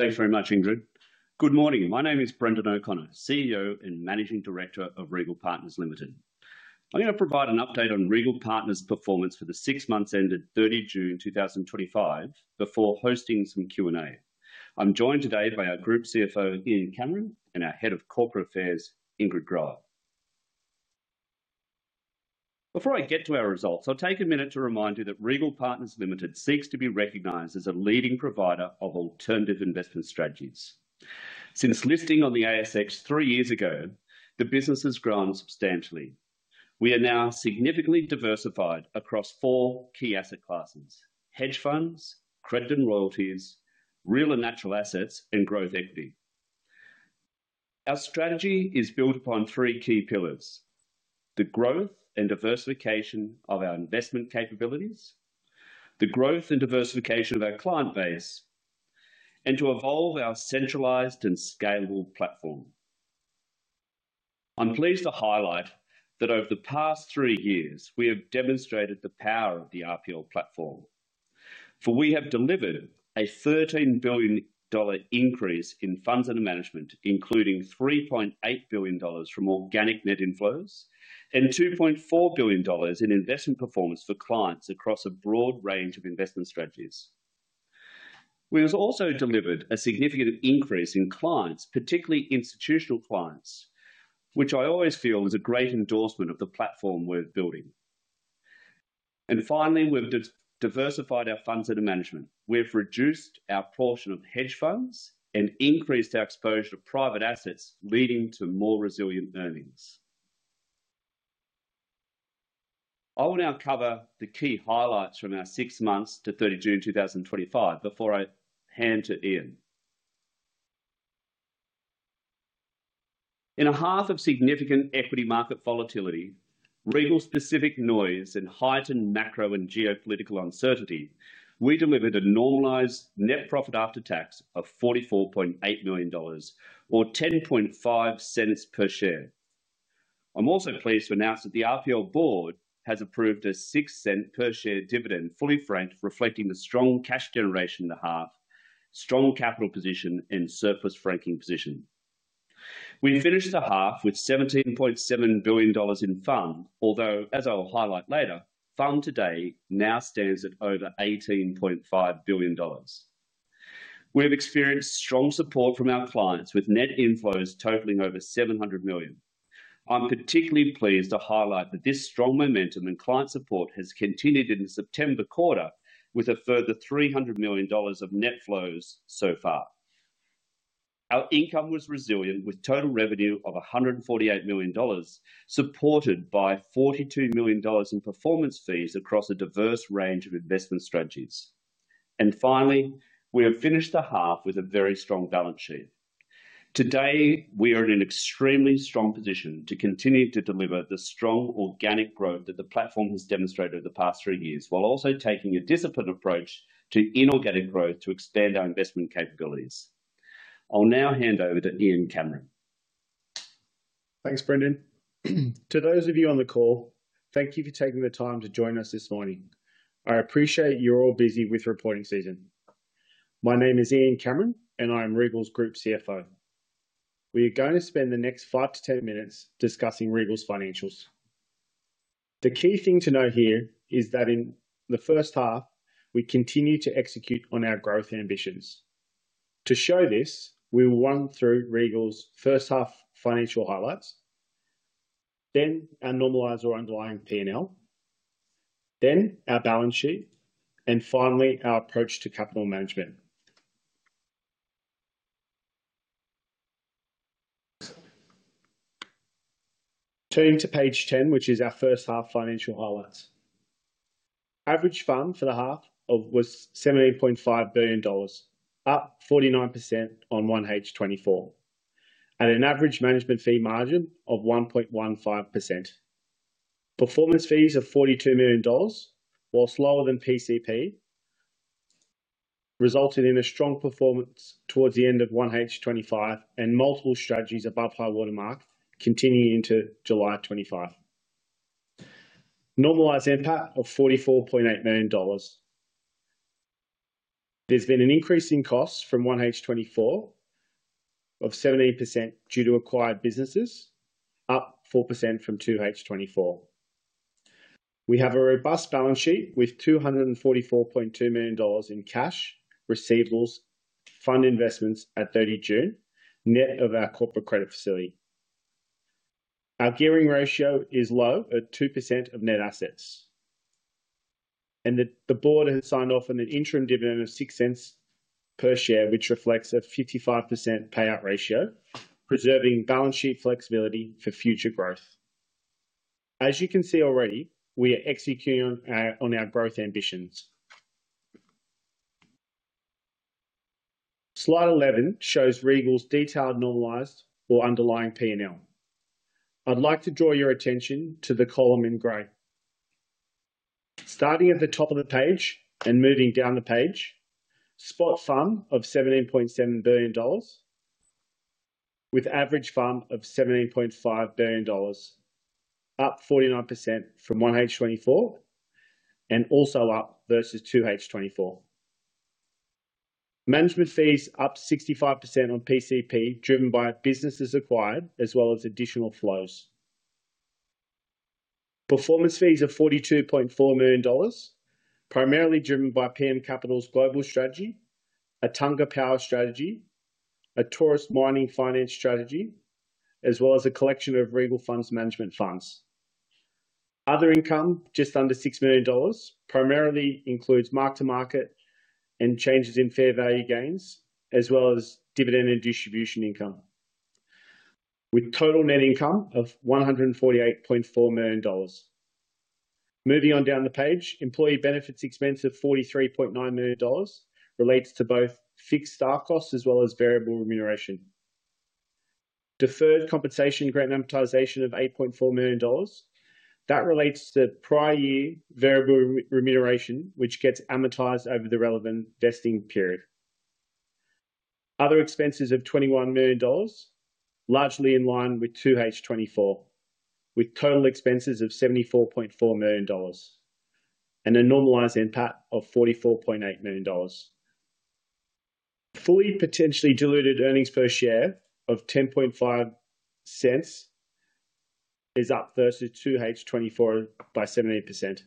Thanks very much, Ingrid. Good morning. My name is Brendan O'Connor, CEO and Managing Director of Regal Partners Ltd. I'm going to provide an update on Regal Partners' performance for the six months ended 30 June 2025 before hosting some Q&A. I'm joined today by our Group CFO, Ian Cameron, and our Head of Corporate Affairs, Ingrid Groer. Before I get to our results, I'll take a minute to remind you that Regal Partners Ltd seeks to be recognized as a leading provider of alternative investment strategies. Since listing on the ASX three years ago, the business has grown substantially. We are now significantly diversified across four key asset classes: hedge funds, credit and royalties, real and natural assets, and growth equity. Our strategy is built upon three key pillars: the growth and diversification of our investment capabilities, the growth and diversification of our client base, and to evolve our centralized and scalable platform. I'm pleased to highlight that over the past three years, we have demonstrated the power of the "one RPO" platform. For we have delivered a $13 billion increase in funds under management, including $3.8 billion from organic net inflows and $2.4 billion in investment performance for clients across a broad range of investment strategies. We have also delivered a significant increase in clients, particularly institutional clients, which I always feel is a great endorsement of the platform we're building. Finally, we've diversified our funds under management. We've reduced our portion of hedge funds and increased our exposure to private assets, leading to more resilient earnings. I will now cover the key highlights from our six months to 30 June 2025 before I hand to Ian. In a half of significant equity market volatility, regional specific noise, and heightened macro and geopolitical uncertainty, we delivered a normalized net profit after tax of $44.8 million, or $0.105 per share. I'm also pleased to announce that the RPO board has approved a $0.06 per share dividend, fully franked, reflecting the strong cash generation in the half, strong capital position, and surplus franking position. We finished the half with $17.7 billion in FUM, although, as I'll highlight later, FUM today now stand at over $18.5 billion. We have experienced strong support from our clients, with net inflows totaling over $700 million. I'm particularly pleased to highlight that this strong momentum in client support has continued in the September quarter, with a further $300 million of net flows so far. Our income was resilient, with total revenue of $148 million, supported by $42 million in performance fees across a diverse range of investment strategies. Finally, we have finished the half with a very strong balance sheet. Today, we are in an extremely strong position to continue to deliver the strong organic growth that the platform has demonstrated over the past three years, while also taking a disciplined approach to inorganic growth to expand our investment capabilities. I'll now hand over to Ian Cameron. Thanks, Brendan. To those of you on the call, thank you for taking the time to join us this morning. I appreciate you're all busy with reporting season. My name is Ian Cameron, and I am Regal's Group CFO. We are going to spend the next 5-10 minutes discussing Regal's financials. The key thing to note here is that in the first half, we continue to execute on our growth ambitions. To show this, we will run through Regal's first half financial highlights, then our normalized or underlying P&L, then our balance sheet, and finally our approach to capital management. Turning to page 10, which is our first half financial highlights, the average fund for the half was $17.5 billion, up 49% on 1H24, and an average management fee margin of 1.15%. Performance fees of $42 million, while slower than PCP, resulted in a strong performance towards the end of 1H25 and multiple strategies above high watermark, continuing into July 2025. Normalized impact of $44.8 million. There has been an increase in costs from 1H24 of 17% due to acquired businesses, up 4% from 2H24. We have a robust balance sheet with $244.2 million in cash, receivables, fund investments at 30 June, net of our corporate credit facility. Our gearing ratio is low at 2% of net assets. The board has signed off on an interim dividend of $0.06 per share, which reflects a 55% payout ratio, preserving balance sheet flexibility for future growth. As you can see already, we are executing on our growth ambitions. Slide 11 shows Regal's detailed normalized or underlying P&L. I'd like to draw your attention to the column in gray. Starting at the top of the page and moving down the page, spot fund of $17.7 billion, with average fund of $17.5 billion, up 49% from 1H24 and also up versus 2H24. Management fees up 65% on PCP, driven by businesses acquired as well as additional flows. Performance fees of $42.4 million, primarily driven by PM Capital's global strategy, Attunga Power strategy, a Taurus Mining Finance strategy, as well as a collection of Regal Funds Management funds. Other income just under $6 million, primarily includes mark-to-market and changes in fair value gains, as well as dividend and distribution income, with total net income of $148.4 million. Moving on down the page, employee benefits expense of $43.9 million relates to both fixed staff costs as well as variable remuneration. Deferred compensation grant amortization of $8.4 million, that relates to prior year variable remuneration, which gets amortized over the relevant vesting period. Other expenses of $21 million, largely in line with 2H24, with total expenses of $74.4 million and a normalized impact of $44.8 million. Fully potentially diluted earnings per share of $0.105 is up versus 2H24 by 17%.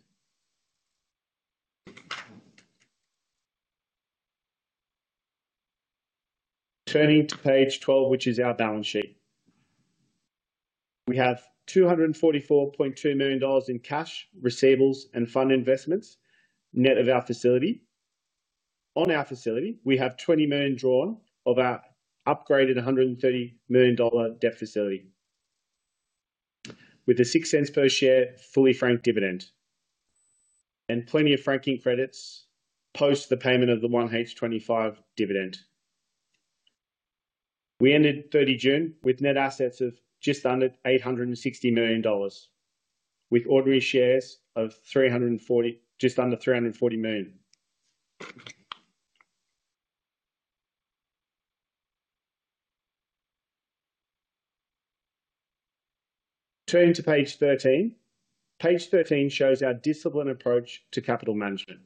Turning to page 12, which is our balance sheet, we have $244.2 million in cash, receivables, and fund investments net of our facility. On our facility, we have $20 million drawn of our upgraded $130 million debt facility, with a $0.06 per share fully franked dividend and plenty of franking credits post the payment of the 1H25 dividend. We ended 30 June with net assets of just under $860 million, with ordinary shares of just under $340 million. Turning to page 13, page 13 shows our disciplined approach to capital management.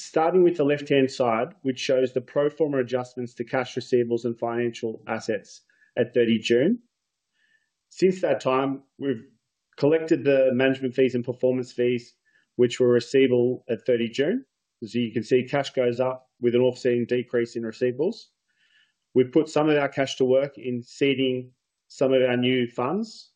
Starting with the left-hand side, which shows the pro forma adjustments to cash receivables and financial assets at 30 June. Since that time, we've collected the management fees and performance fees, which were receivable at 30 June. As you can see, cash goes up with an off-season decrease in receivables. We put some of our cash to work in seeding some of our new funds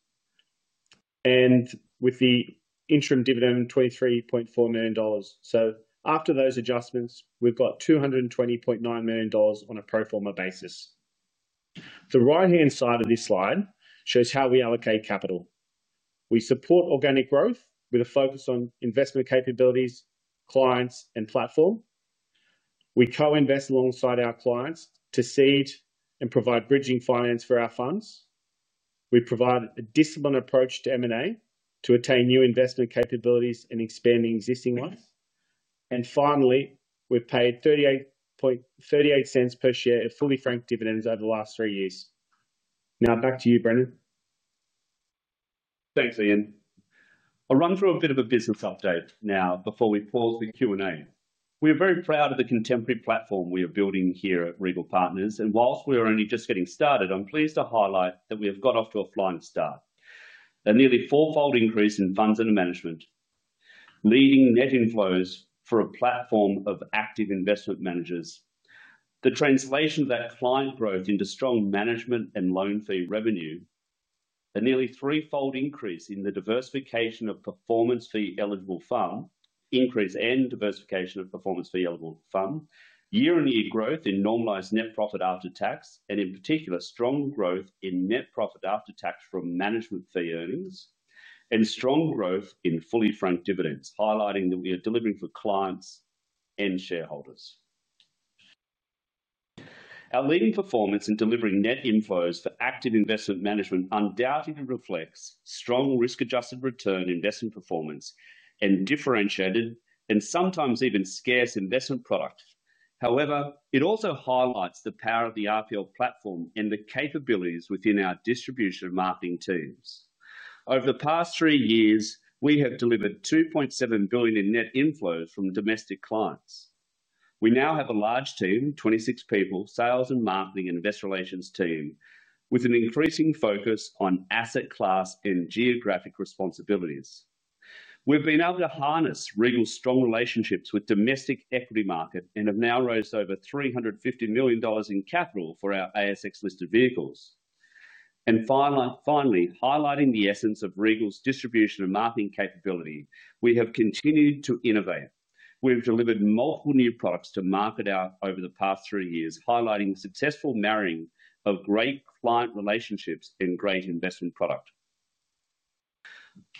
and with the interim dividend of $23.4 million. After those adjustments, we've got $220.9 million on a pro forma basis. The right-hand side of this slide shows how we allocate capital. We support organic growth with a focus on investment capabilities, clients, and platform. We co-invest alongside our clients to seed and provide bridging finance for our funds. We provide a disciplined approach to M&A to attain new investment capabilities and expand the existing ones. Finally, we've paid $0.38 per share in fully franked dividends over the last three years. Now back to you, Brendan. Thanks, Ian. I'll run through a bit of a business update now before we pause for Q&A. We are very proud of the contemporary platform we are building here at Regal Partners. Whilst we are only just getting started, I'm pleased to highlight that we have got off to a flying start: a nearly four-fold increase in funds under management, leading net inflows for a platform of active investment managers, the translation of that client growth into strong management and loan fee revenue, a nearly three-fold increase in the diversification of performance fee eligible fund, year-on-year growth in normalized net profit after tax, and in particular, strong growth in net profit after tax from management fee earnings, and strong growth in fully franked dividends, highlighting that we are delivering for clients and shareholders. Our leading performance in delivering net inflows for active investment management undoubtedly reflects strong risk-adjusted return investment performance and differentiated and sometimes even scarce investment product. It also highlights the power of the RPO platform and the capabilities within our distribution and marketing teams. Over the past three years, we have delivered $2.7 billion in net inflows from domestic clients. We now have a large team, 26 people, sales and marketing and investor relations team, with an increasing focus on asset class and geographic responsibilities. We've been able to harness Regal's strong relationships with the domestic equity market and have now raised over $350 million in capital for our ASX listed vehicles. Finally, highlighting the essence of Regal's distribution and marketing capability, we have continued to innovate. We've delivered multiple new products to market over the past three years, highlighting the successful marrying of great client relationships and great investment product.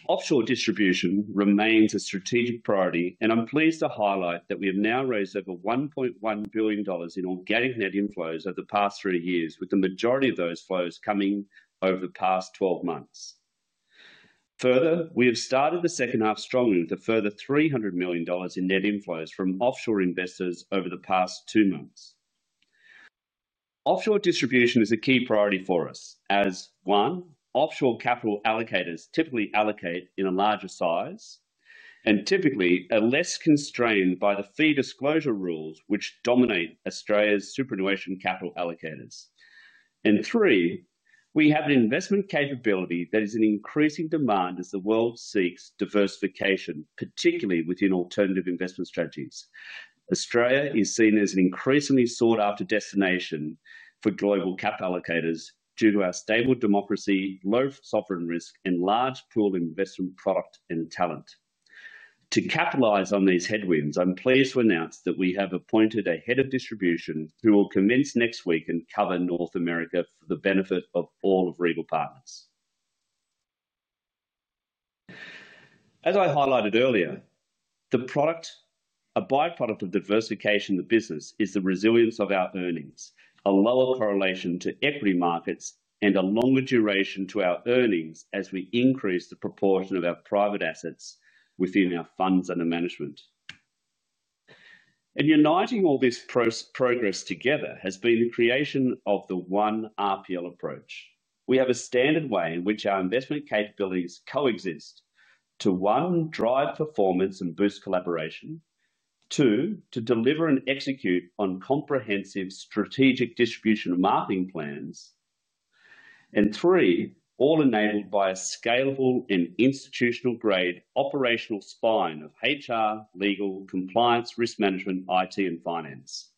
Offshore distribution remains a strategic priority, and I'm pleased to highlight that we have now raised over $1.1 billion in organic net inflows over the past three years, with the majority of those flows coming over the past 12 months. Further, we have started the second half strongly with a further $300 million in net inflows from offshore investors over the past two months. Offshore distribution is a key priority for us, as one, offshore capital allocators typically allocate in a larger size and typically are less constrained by the fee disclosure rules, which dominate Australia's superannuation capital allocators. Three, we have an investment capability that is in increasing demand as the world seeks diversification, particularly within alternative investment strategies. Australia is seen as an increasingly sought-after destination for global capital allocators due to our stable democracy, low sovereign risk, and large pool of investment product and talent. To capitalize on these headwinds, I'm pleased to announce that we have appointed a Head of Distribution who will commence next week and cover North America for the benefit of all of Regal Partners. As I highlighted earlier, the product, a byproduct of diversification of the business, is the resilience of our earnings, a lower correlation to equity markets, and a longer duration to our earnings as we increase the proportion of our private assets within our funds under management. Uniting all this progress together has been the creation of the one RPO approach. We have a standard way in which our investment capabilities coexist to one, drive performance and boost collaboration, two, to deliver and execute on comprehensive strategic distribution and marketing plans, and three, all enabled by a scalable and institutional-grade operational spine of HR, legal, compliance, risk management, IT, and finance.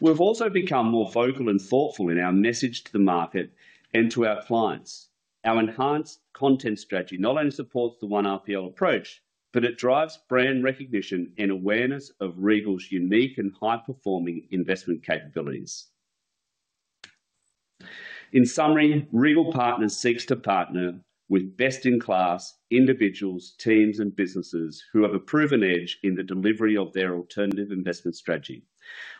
We've also become more vocal and thoughtful in our message to the market and to our clients. Our enhanced content strategy not only supports the one RPO approach, but it drives brand recognition and awareness of Regal's unique and high-performing investment capabilities. In summary, Regal Partners seeks to partner with best-in-class individuals, teams, and businesses who have a proven edge in the delivery of their alternative investment strategy.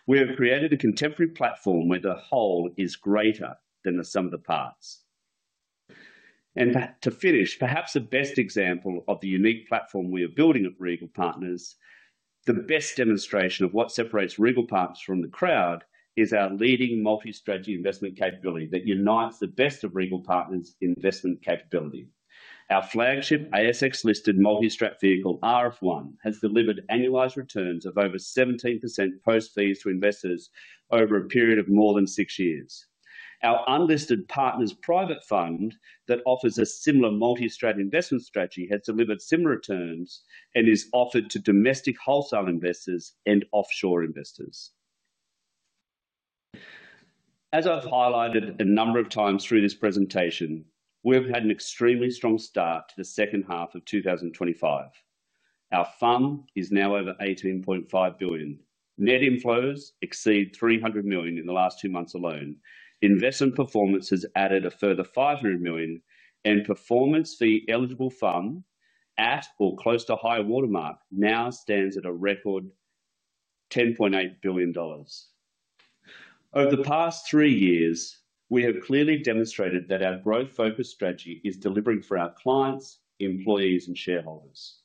We have created a contemporary platform where the whole is greater than the sum of the parts. Perhaps the best example of the unique platform we are building at Regal Partners, the best demonstration of what separates Regal Partners from the crowd, is our leading multi-strategy investment capability that unites the best of Regal Partners' investment capability. Our flagship ASX listed multi-strat vehicle, RF1, has delivered annualized returns of over 17% post-fees to investors over a period of more than six years. Our unlisted partner's private fund that offers a similar multi-strat investment strategy has delivered similar returns and is offered to domestic wholesale investors and offshore investors. As I've highlighted a number of times through this presentation, we have had an extremely strong start to the second half of 2025. Our fund is now over $18.5 billion. Net inflows exceed $300 million in the last two months alone. Investment performance has added a further $500 million, and performance fee eligible fund at or close to high watermark now stands at a record $10.8 billion. Over the past three years, we have clearly demonstrated that our growth-focused strategy is delivering for our clients, employees, and shareholders.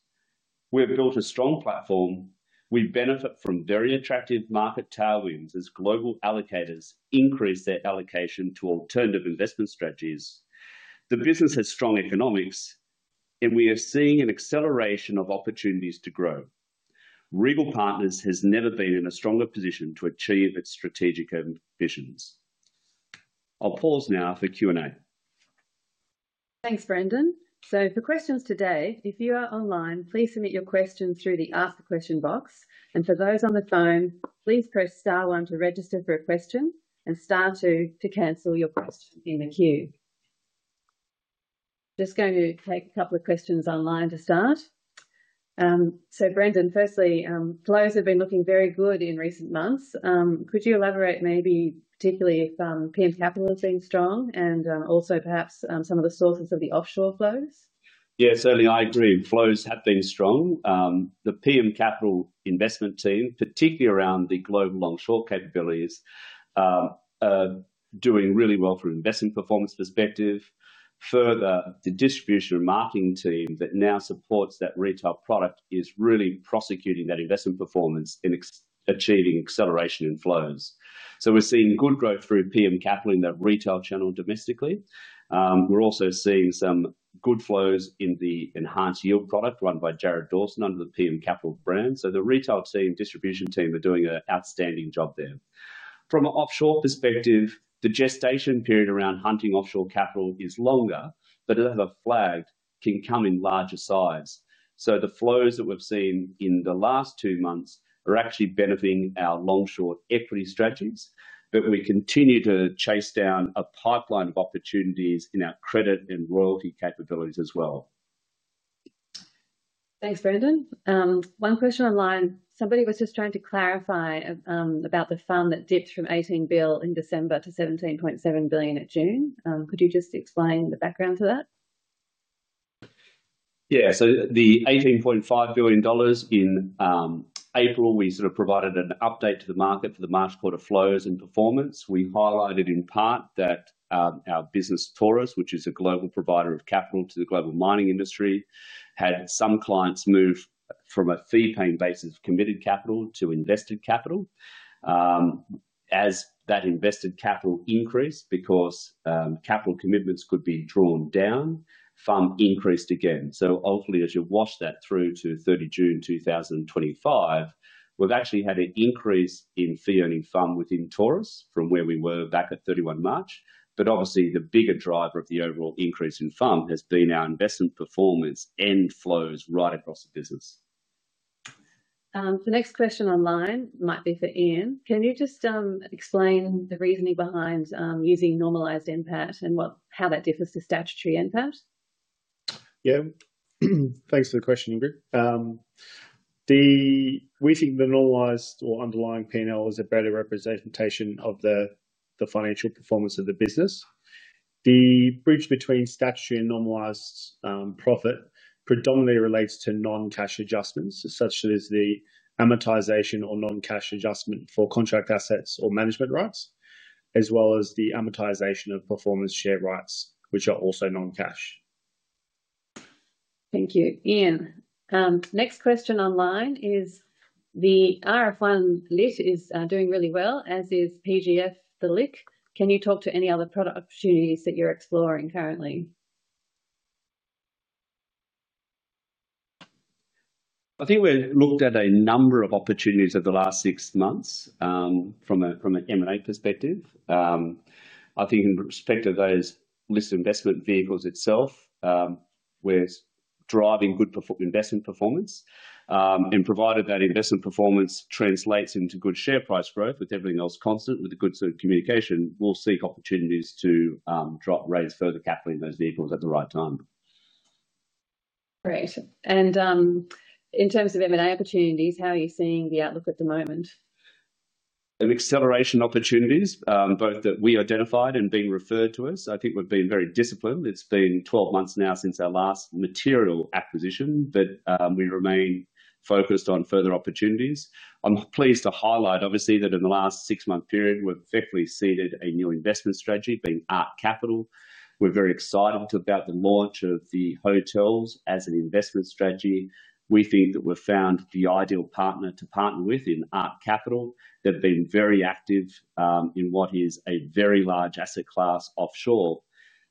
We have built a strong platform. We benefit from very attractive market tailwinds as global allocators increase their allocation to alternative investment strategies. The business has strong economics, and we are seeing an acceleration of opportunities to grow. Regal Partners has never been in a stronger position to achieve its strategic ambitions. I'll pause now for Q&A. Thanks, Brendan. For questions today, if you are online, please submit your questions through the Ask the Question box. For those on the phone, please press star one to register for a question and star two to cancel your question in the queue. I'm just going to take a couple of questions online to start. Brendan, firstly, flows have been looking very good in recent months. Could you elaborate maybe particularly if PM Capital has been strong and also perhaps some of the sources of the offshore flows? Yeah, certainly I agree. Flows have been strong. The PM Capital investment team, particularly around the global onshore capabilities, are doing really well from an investment performance perspective. Further, the distribution and marketing team that now supports that retail product is really prosecuting that investment performance and achieving acceleration in flows. We're seeing good growth through PM Capital in the retail channel domestically. We're also seeing some good flows in the enhanced yield product run by Jared Dawson under the PM Capital brand. The retail team and distribution team are doing an outstanding job there. From an offshore perspective, the gestation period around hunting offshore capital is longer, but as I've flagged, can come in larger size. The flows that we've seen in the last two months are actually benefiting our longshore equity strategies, but we continue to chase down a pipeline of opportunities in our credit and royalty capabilities as well. Thanks, Brendan. One question online. Somebody was just trying to clarify about the fund that dipped from $18 billion in December to $17.7 billion in June. Could you just explain the background to that? Yeah, so the $18.5 billion in April, we sort of provided an update to the market for the March quarter flows and performance. We highlighted in part that our business Taurus, which is a global provider of capital to the global mining industry, had some clients move from a fee-paying basis of committed capital to invested capital. As that invested capital increased because capital commitments could be drawn down, fund increased again. Ultimately, as you watch that through to 30 June 2025, we've actually had an increase in fee-earning fund within Taurus from where we were back at 31 March. Obviously, the bigger driver of the overall increase in fund has been our investment performance and flows right across the business. The next question online might be for Ian. Can you just explain the reasoning behind using normalized net profit after tax and how that differs to statutory net profit after tax? Yeah, thanks for the question, Ingrid. We think the normalized or underlying P&L is a better representation of the financial performance of the business. The bridge between statutory and normalized profit predominantly relates to non-cash adjustments, such as the amortization or non-cash adjustment for contract assets or management rights, as well as the amortization of performance share rights, which are also non-cash. Thank you, Ian. Next question online is the RF1 LIT is doing really well, as is PGF the LIT. Can you talk to any other product opportunities that you're exploring currently? I think we've looked at a number of opportunities over the last six months from an M&A perspective. I think in respect of those listed investment vehicles itself, we're driving good investment performance. Provided that investment performance translates into good share price growth, with everything else constant, with a good suite of communication, we'll seek opportunities to raise further capital in those vehicles at the right time. Great. In terms of M&A opportunities, how are you seeing the outlook at the moment? An acceleration of opportunities, both that we identified and being referred to us. I think we've been very disciplined. It's been 12 months now since our last material acquisition, but we remain focused on further opportunities. I'm pleased to highlight, obviously, that in the last six-month period, we've effectively seeded a new investment strategy being ARC Capital. We're very excited about the launch of the hotels as an investment strategy. We think that we've found the ideal partner to partner with in ARC Capital. They've been very active in what is a very large asset class offshore.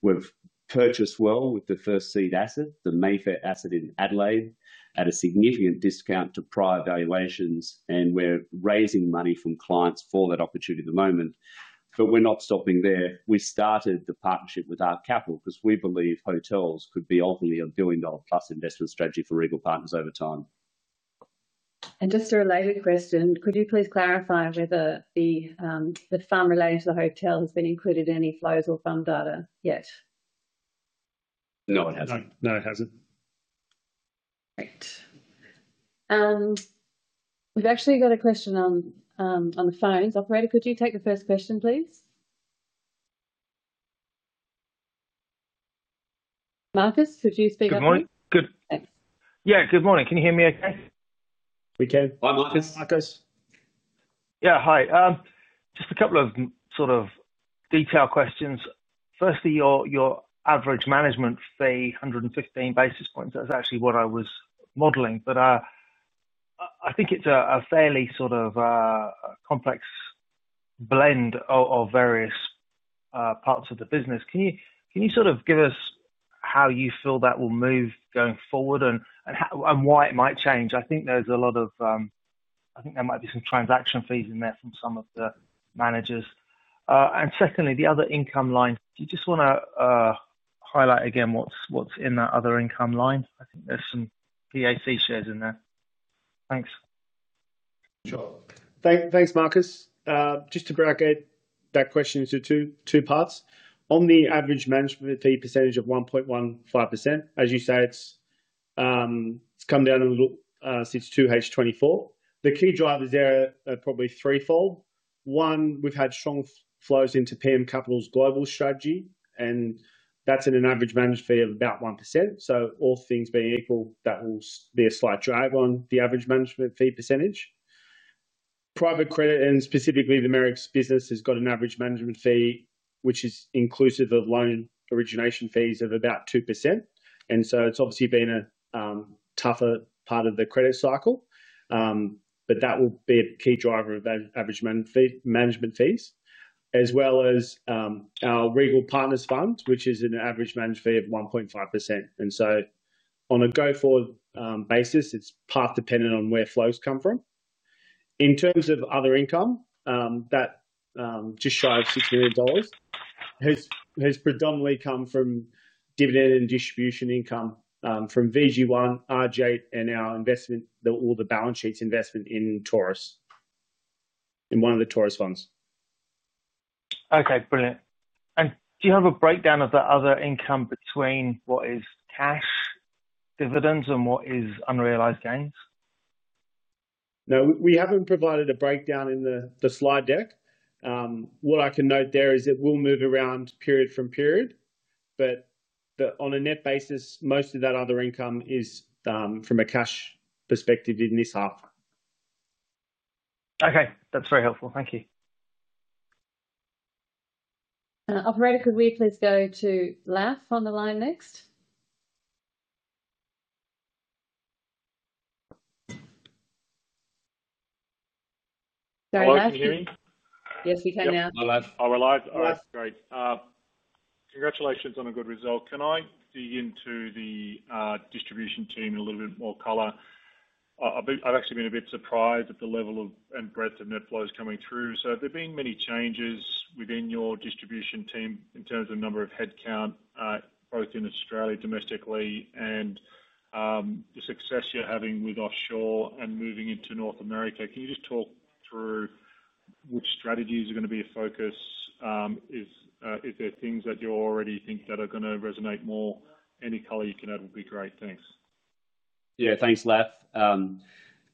We've purchased well with the first seed asset, the Mayfair asset in Adelaide, at a significant discount to prior valuations, and we're raising money from clients for that opportunity at the moment. We started the partnership with ARC Capital because we believe hotels could be ultimately a billion-dollar plus investment strategy for Regal Partners Ltd over time. Could you please clarify whether the fund relating to the hotel has been included in any flows or fund data yet? No, it hasn't. No, it hasn't. Great. We've actually got a question on the phones. Operator, could you take the first question, please? Marcus, could you speak up? Good morning. Good morning. Can you hear me okay? We can. Hi, Marcus. Marcus. Yeah, hi. Just a couple of sort of detailed questions. Firstly, your average management fee, 115 basis points, that's actually what I was modeling. I think it's a fairly sort of complex blend of various parts of the business. Can you give us how you feel that will move going forward and why it might change? I think there might be some transaction fees in there from some of the managers. Secondly, the other income line, do you want to highlight again what's in that other income line? I think there's some PAC shares in there. Thanks. Sure. Thanks, Marcus. To break that question into two parts, on the average management fee percentage of 1.15%, as you said, it's come down a little since 2H2024. The key drivers there are probably threefold. One, we've had strong flows into PM Capital's global strategy, and that's in an average management fee of about 1%. All things being equal, that will be a slight drag on the average management fee percentage. Private credit and specifically the Merrick's business has got an average management fee, which is inclusive of loan origination fees of about 2%. It's obviously been a tougher part of the credit cycle. That will be a key driver of those average management fees, as well as our Regal Partners fund, which is an average management fee of 1.5%. On a go-forward basis, it's part dependent on where flows come from. In terms of other income, that just shy of $6 million has predominantly come from dividend and distribution income from VG1, RG8, and our investment, all the balance sheet's investment in Taurus, in one of the Taurus funds. Okay, brilliant. Do you have a breakdown of the other income between what is cash dividends and what is unrealized gains? No, we haven't provided a breakdown in the slide yet. What I can note there is it will move around period from period. On a net basis, most of that other income is from a cash perspective in this half. Okay, that's very helpful. Thank you. Operator, could we please go to [Lachlan] on the line next? Can I hear you? Yes, you can now. Great. Congratulations on a good result. Can I dig into the distribution team in a little bit more color? I've actually been a bit surprised at the level of breadth and net flows coming through. Have there been many changes within your distribution team in terms of the number of headcount, both in Australia domestically and the success you're having with offshore and moving into North America? Can you just talk through which strategies are going to be a focus? Are there things that you already think that are going to resonate more? Any color you can add would be great. Thanks. Yeah, thanks.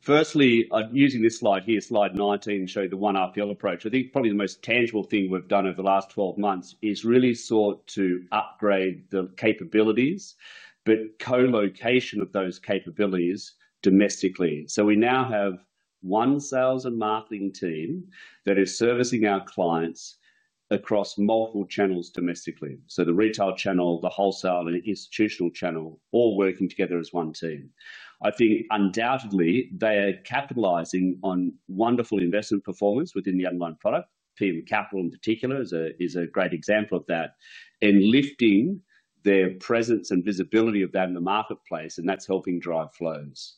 Firstly, I'm using this slide here, slide 19, to show you the "one RPO" approach. I think probably the most tangible thing we've done over the last 12 months is really sought to upgrade the capabilities, but co-location of those capabilities domestically. We now have one sales and marketing team that is servicing our clients across multiple channels domestically. The retail channel, the wholesale, and the institutional channel all working together as one team. I think undoubtedly they are capitalizing on wonderful investment performance within the underlying product. PM Capital in particular is a great example of that and lifting their presence and visibility about the marketplace, and that's helping drive flows.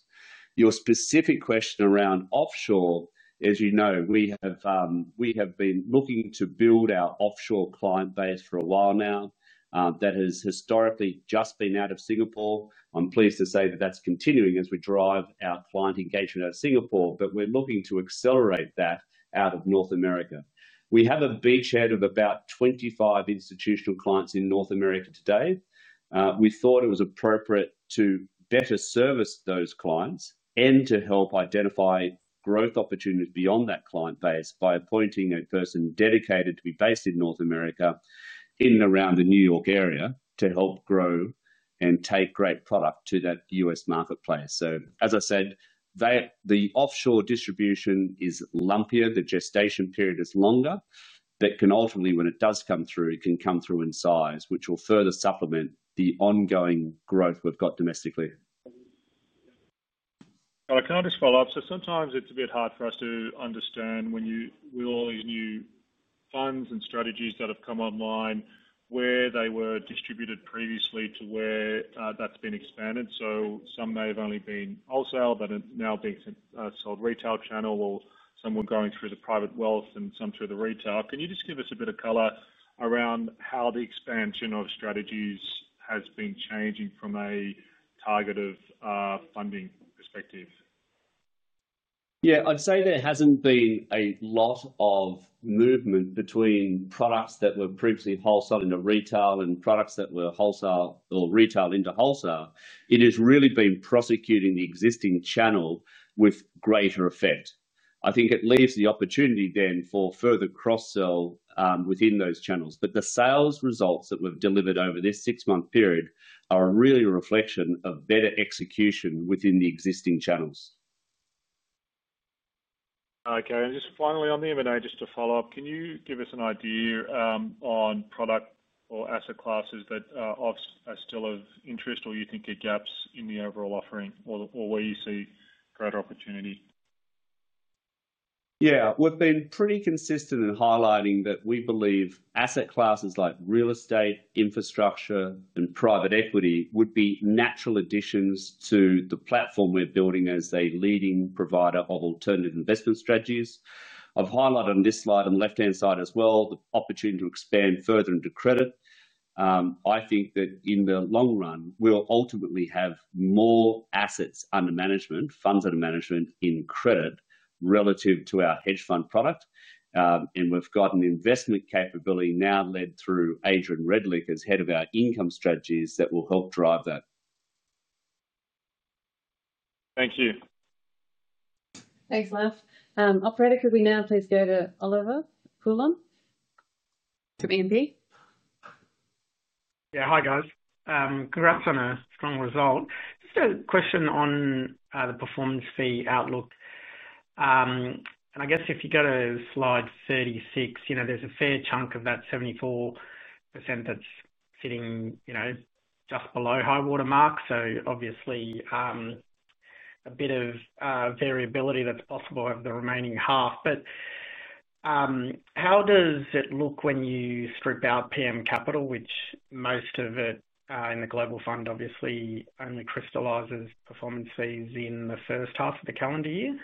Your specific question around offshore, as you know, we have been looking to build our offshore client base for a while now. That has historically just been out of Singapore. I'm pleased to say that that's continuing as we drive our client engagement out of Singapore, but we're looking to accelerate that out of North America. We have a big share of about 25 institutional clients in North America today. We thought it was appropriate to better service those clients and to help identify growth opportunities beyond that client base by appointing a person dedicated to be based in North America in and around the New York area to help grow and take great product to that U.S. marketplace. As I said, the offshore distribution is lumpier. The gestation period is longer, but ultimately, when it does come through, it can come through in size, which will further supplement the ongoing growth we've got domestically. Can I just follow up? Sometimes it's a bit hard for us to understand when you will all these new funds and strategies that have come online, where they were distributed previously to where that's been expanded. Some may have only been wholesale, but are now being sold retail channel, or some were going through the private wealth and some through the retail. Can you just give us a bit of color around how the expansion of strategies has been changing from a target of funding perspective? Yeah, I'd say there hasn't been a lot of movement between products that were previously wholesale into retail and products that were wholesale or retail into wholesale. It has really been prosecuting the existing channel with greater effect. I think it leaves the opportunity then for further cross-sell within those channels. The sales results that we've delivered over this six-month period are really a reflection of better execution within the existing channels. Okay. Just finally, on the M&A, just to follow up, can you give us an idea on product or asset classes that are still of interest or you think are gaps in the overall offering or where you see greater opportunity? Yeah, we've been pretty consistent in highlighting that we believe asset classes like real estate, infrastructure, and private equity would be natural additions to the platform we're building as a leading provider of alternative investment strategies. I've highlighted on this slide on the left-hand side as well, the opportunity to expand further into credit. I think that in the long run, we'll ultimately have more assets under management, funds under management in credit relative to our hedge fund product. We've got an investment capability now led through Adrian Redlich as Head of our Income Strategies that will help drive that. Thank you. Thanks. Operator, could we now please go to Olivier Coulon? From E&P. Hi guys. Congrats on a strong result. Just a question on the performance fee outlook. If you go to slide 36, there's a fair chunk of that 74% that's sitting just below high watermark. Obviously, a bit of variability that's possible over the remaining half. How does it look when you strip out PM Capital, which most of it in the global strategy obviously only crystallizes performance fees in the first half of the calendar year?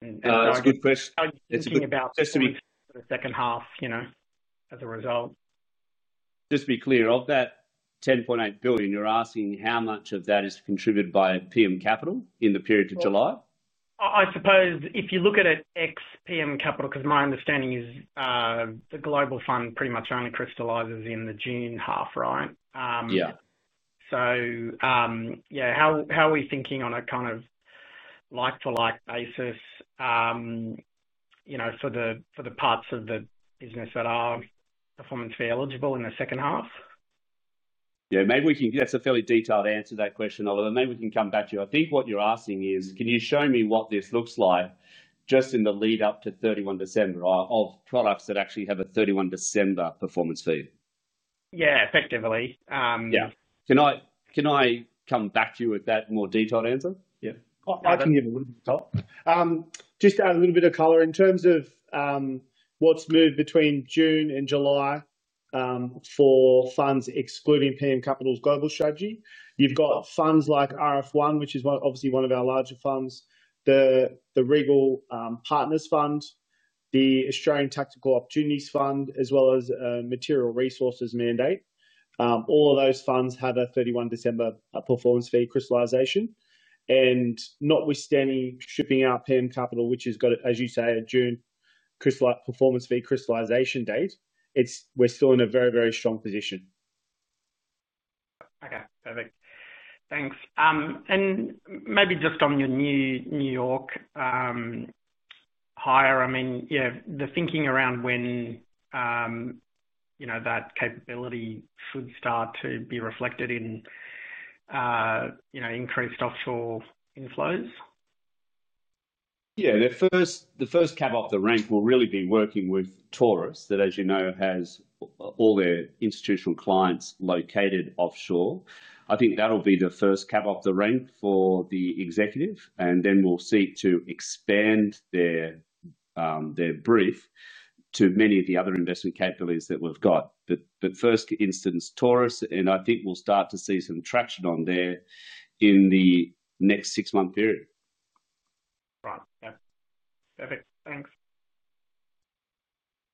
That's a good question. Just to be clear, the second half, as a result. Just to be clear, of that $10.8 billion, you're asking how much of that is contributed by PM Capital in the period of July? I suppose if you look at it ex-PM Capital, because my understanding is the global strategy pretty much only crystallizes in the June half, right? Yeah. How are we thinking on a kind of like-to-like basis, you know, for the parts of the business that are performance fee eligible in the second half? Yeah, maybe we can, that's a fairly detailed answer to that question, Oliver. Maybe we can come back to you. I think what you're asking is, can you show me what this looks like just in the lead up to 31 December of products that actually have a 31 December performance fee? Yeah, effectively. Yeah, can I come back to you with that more detailed answer? Yeah, I can give a little bit of talk, just add a little bit of color. In terms of what's moved between June and July for funds excluding PM Capital's global strategy, you've got funds like RF1, which is obviously one of our larger funds, the Regal Partners Fund, the Australian Tactical Opportunities Fund, as well as a Material Resources mandate. All of those funds have a 31 December performance fee crystallization. Notwithstanding stripping out PM Capital, which has got, as you say, a June performance fee crystallization date, we're still in a very, very strong position. Okay, perfect. Thanks. Maybe just on your new New York hire, the thinking around when that capability should start to be reflected in increased offshore inflows? Yeah, the first cab off the rank will really be working with Taurus Mining Finance, that as you know, has all their institutional clients located offshore. I think that'll be the first cab off the rank for the executive, and then we'll seek to expand their brief to many of the other investment capabilities that we've got. In the first instance, Taurus, and I think we'll start to see some traction on there in the next six-month period. Right, yeah. Perfect. Thanks.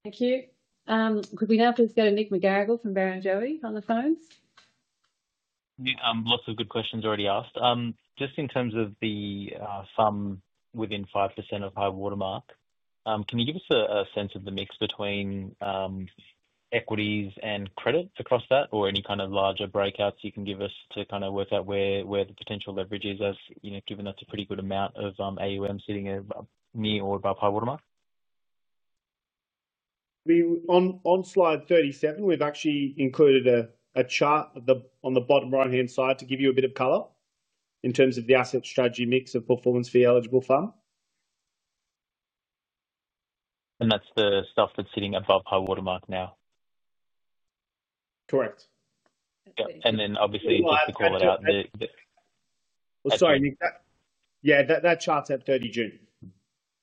Thank you. Could we now please go to Nick McGaragle from Baron Joey on the phones? Nick, lots of good questions already asked. Just in terms of the fund within 5% of high watermark, can you give us a sense of the mix between equities and credit across that, or any kind of larger breakouts you can give us to kind of work out where the potential leverage is, as you know given that's a pretty good amount of funds under management sitting near or above high watermark? On slide 37, we've actually included a chart on the bottom right-hand side to give you a bit of color in terms of the asset strategy mix of performance fee eligible fund. That's the stuff that's sitting above high watermark now? Correct. Obviously, just to call it out. Yeah, that chart's at 30 June.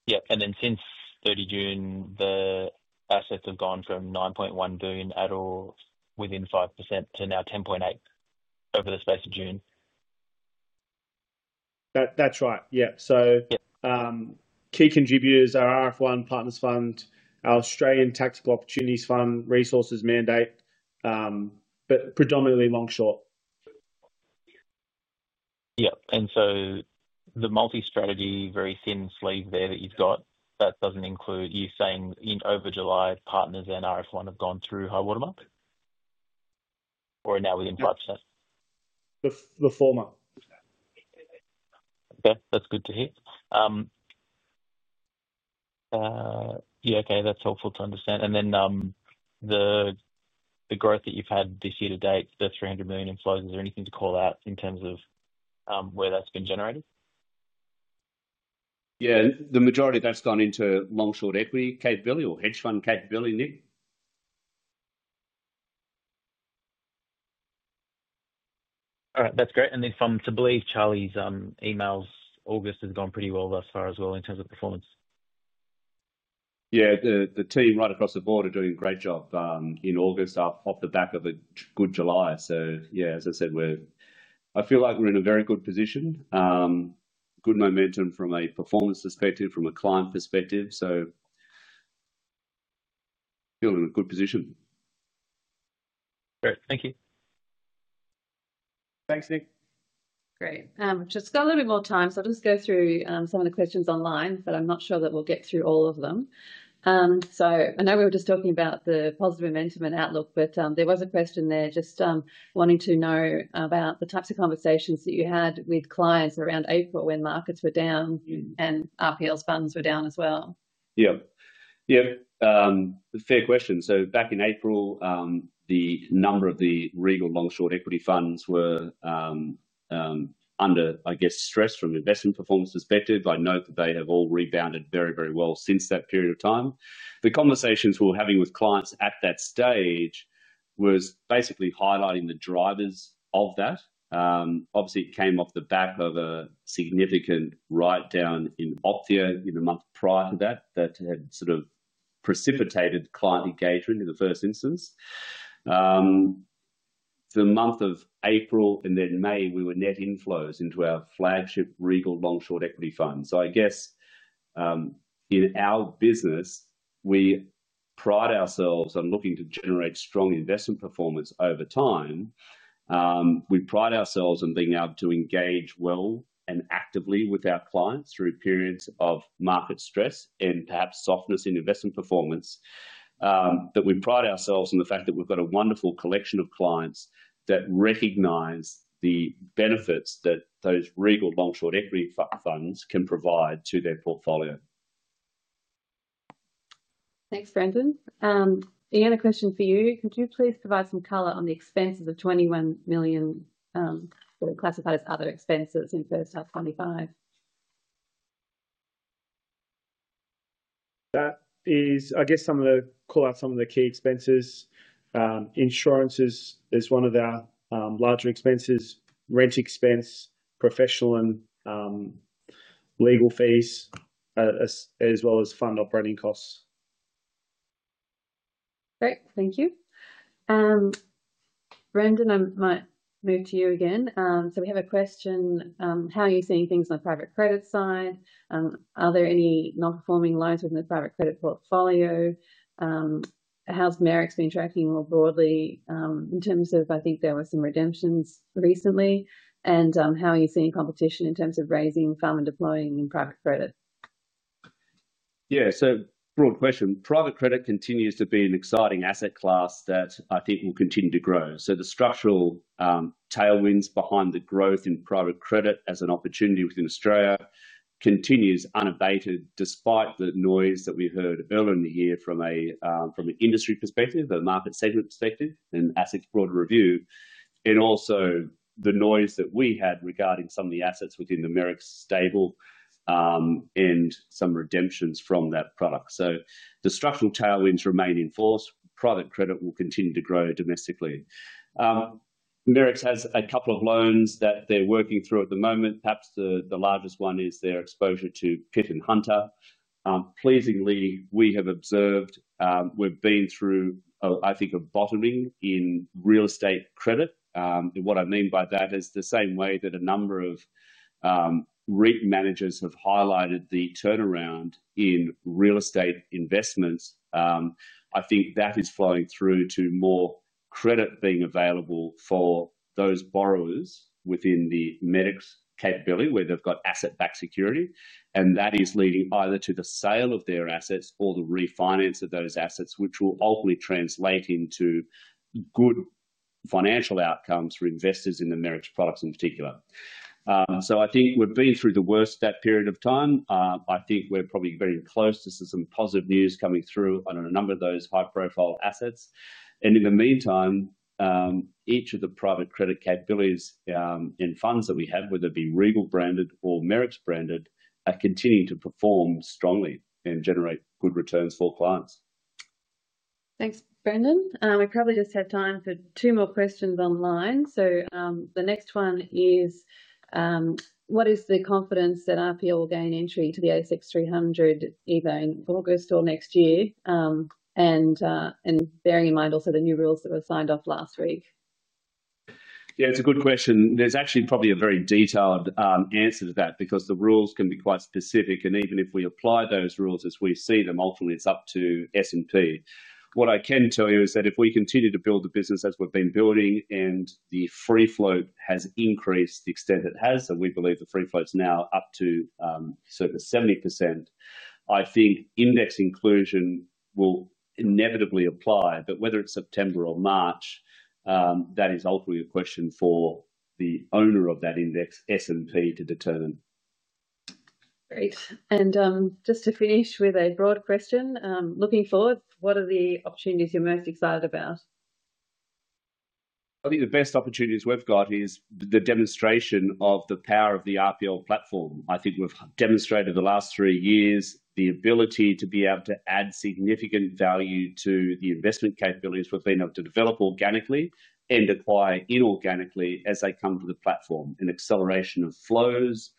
Yeah, since 30 June, the assets have gone from $9.1 billion, all within 5%, to now $10.8 billion over the space of June. That's right, yeah. Key contributors are RF1, Partners Fund, our Australian Tactical Opportunities Fund, Resources Mandate, but predominantly long-short. Yeah, and the multi-strategy very thin sleeve there that you've got, that doesn't include you saying in over July, Partners and RF1 have gone through high watermark or are now within 5%? The former. Okay, that's good to hear. Yeah, okay, that's helpful to understand. The growth that you've had this year to date, the $300 million in flows, is there anything to call out in terms of where that's been generated? Yeah, the majority of that's gone into long/short equity capability or hedge fund capability, Nick. All right, that's great. From, I believe, Charlie's emails, August has gone pretty well thus far as well in terms of performance. The team right across the board are doing a great job in August off the back of a good July. As I said, I feel like we're in a very good position, good momentum from a performance perspective, from a client perspective. I feel we're in a good position. Great, thank you. Thanks, Nick. Great. We've just got a little bit more time, so I'll just go through some of the questions online. I'm not sure that we'll get through all of them. I know we were just talking about the positive investment outlook, but there was a question there just wanting to know about the types of conversations that you had with clients around April when markets were down and Regal Partners Ltd's funds were down as well. Yeah, fair question. Back in April, a number of the Regal long short equity funds were under, I guess, stress from an investment performance perspective. I note that they have all rebounded very, very well since that period of time. The conversations we were having with clients at that stage were basically highlighting the drivers of that. Obviously, it came off the back of a significant write-down in Ophea in the month prior to that that had sort of precipitated client engagement in the first instance. For the month of April and then May, we were net inflows into our flagship Regal long short equity fund. In our business, we pride ourselves on looking to generate strong investment performance over time. We pride ourselves on being able to engage well and actively with our clients through periods of market stress and perhaps softness in investment performance. We pride ourselves on the fact that we've got a wonderful collection of clients that recognize the benefits that those Regal long short equity funds can provide to their portfolio. Thanks, Brendan. Ian, a question for you. Could you please provide some color on the expense of the $21 million that are classified as other expenses in first half 2025? That is, I guess I'm going to call out some of the key expenses. Insurance is one of our larger expenses, rent expense, professional and legal fees, as well as fund operating costs. Great, thank you. Brendan, I might move to you again. We have a question. How are you seeing things on the private credit side? Are there any non-performing loans within the private credit portfolio? How's Merrick's been tracking more broadly in terms of, I think there were some redemptions recently? How are you seeing competition in terms of raising funds and deploying in private credit? Yeah, so broad question. Private credit continues to be an exciting asset class that I think will continue to grow. The structural tailwinds behind the growth in private credit as an opportunity within Australia continue unabated despite the noise that we heard earlier in the year from an industry perspective, a market segment perspective, and assets broader review, and also the noise that we had regarding some of the assets within the Merrick's Capital stable and some redemptions from that product. The structural tailwinds remain in force. Private credit will continue to grow domestically. Merrick's Capital has a couple of loans that they're working through at the moment. Perhaps the largest one is their exposure to Pitt and Hunter. Pleasingly, we have observed we've been through, I think, a bottoming in real estate credit. What I mean by that is the same way that a number of REIT managers have highlighted the turnaround in real estate investments. I think that is flowing through to more credit being available for those borrowers within the Merrick's Capital capability where they've got asset-backed security. That is leading either to the sale of their assets or the refinance of those assets, which will ultimately translate into good financial outcomes for investors in the Merrick's Capital products in particular. I think we've been through the worst that period of time. I think we're probably very close to some positive news coming through on a number of those high-profile assets. In the meantime, each of the private credit capabilities and funds that we have, whether it be Regal branded or Merrick's Capital branded, are continuing to perform strongly and generate good returns for clients. Thanks, Brendan. We probably just have time for two more questions online. The next one is, what is the confidence that RPO will gain entry to the ASX 300 either in August or next year? Bearing in mind also the new rules that were signed off last week. Yeah, it's a good question. There's actually probably a very detailed answer to that because the rules can be quite specific. Even if we apply those rules as we see them, ultimately it's up to S&P. What I can tell you is that if we continue to build the business as we've been building and the free float has increased the extent it has, and we believe the free float is now up to circa 70%, I think index inclusion will inevitably apply. Whether it's September or March, that is ultimately a question for the owner of that index, S&P, to determine. Great. Just to finish with a broad question, looking forward, what are the opportunities you're most excited about? I think the best opportunities we've got is the demonstration of the power of the "one RPO" platform. I think we've demonstrated the last three years the ability to be able to add significant value to the investment capabilities we've been able to develop organically and acquire inorganically as they come to the platform, an acceleration of flows,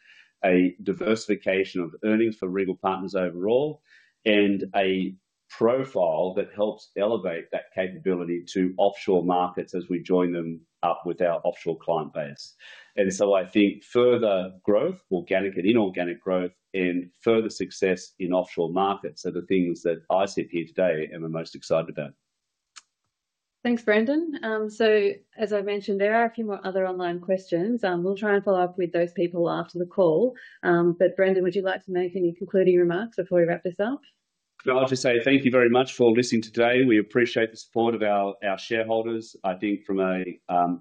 a diversification of earnings for Regal Partners overall, and a profile that helps elevate that capability to offshore markets as we join them up with our offshore client base. I think further growth, organic and inorganic growth, and further success in offshore markets are the things that I sit here today and am most excited about. Thanks, Brendan. As I mentioned, there are a few more other online questions. We'll try and follow up with those people after the call. Brendan, would you like to make any concluding remarks before we wrap this up? I'd like to say thank you very much for listening today. We appreciate the support of our shareholders. I think from a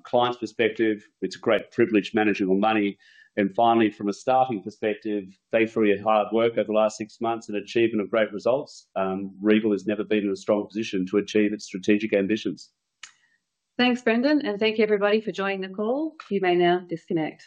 client's perspective, it's a great privilege managing your money. Finally, from a staffing perspective, thankfully, it's hard work over the last six months and achieving great results. Regal Partners Ltd has never been in a strong position to achieve its strategic ambitions. Thanks, Brendan, and thank you, everybody, for joining the call. You may now disconnect.